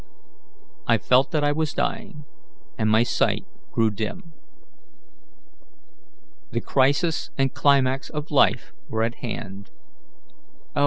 I felt that I was dying, and my sight grew dim. The crisis and climax of life were at hand. 'Oh!'